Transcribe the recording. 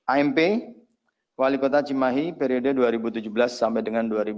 amp wali kota cimahi periode dua ribu tujuh belas dua ribu dua puluh dua